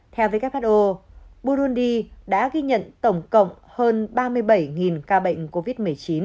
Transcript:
theo who burundi đã ghi nhận tổng cộng hơn ba mươi bảy ca bệnh covid một mươi chín